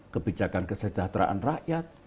kebijakan kesejahteraan rakyat